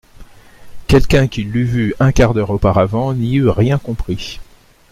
Quelqu'un qui l'eût vue un quart d'heure auparavant n'y eût rien compris.